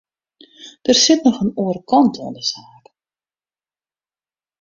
Der sit noch in oare kant oan de saak.